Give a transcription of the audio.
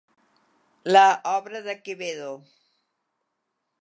La obra de Quevedo.